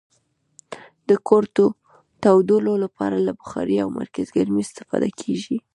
د کور تودولو لپاره له بخارۍ او مرکزګرمي استفاده کیږي.